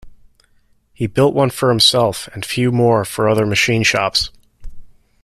He built one for himself and few more for other machine shops.